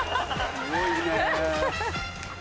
すごいね。